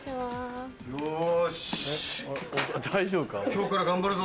・よし・今日から頑張るぞ。